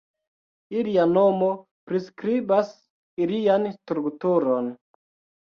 Ilia nomo priskribas ilian strukturon.